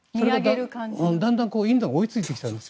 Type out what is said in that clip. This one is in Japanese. だんだんインドが追いついてきたんです。